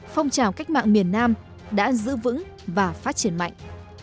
phong trào cách mạng miền nam đã giữ vững và phát triển mạnh